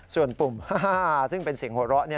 ส่วนปุ่มฮ่าซึ่งเป็นสิ่งโหละ